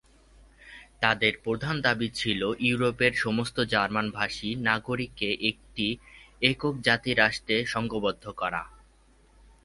তাদের প্রধান দাবি ছিলো ইউরোপের সমস্ত জার্মান-ভাষী নাগরিককে একটি একক জাতি রাষ্ট্রে সংঘবদ্ধ করা।